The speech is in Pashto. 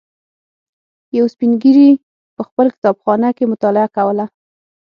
یوه سپین ږیري په خپل کتابخانه کې مطالعه کوله.